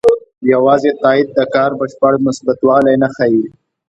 یوازې تایید د کار بشپړ مثبتوالی نه ښيي.